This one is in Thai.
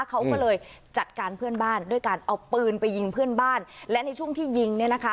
เขาก็เลยจัดการเพื่อนบ้านด้วยการเอาปืนไปยิงเพื่อนบ้านและในช่วงที่ยิงเนี่ยนะคะ